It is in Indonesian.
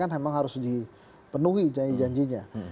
kan memang harus dipenuhi janji janjinya